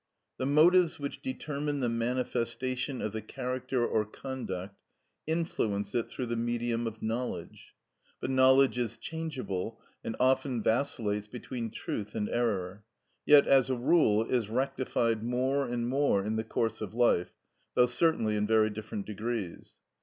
The motives which determine the manifestation of the character or conduct influence it through the medium of knowledge. But knowledge is changeable, and often vacillates between truth and error, yet, as a rule, is rectified more and more in the course of life, though certainly in very different degrees.